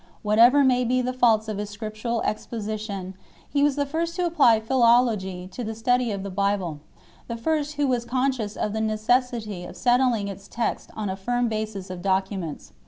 What ever may be the faults of his Scriptural exposition, he was the first to apply philology to the study of the Bible, the first who was conscious of the necessity of settling its K/u text on a firm basis of documents.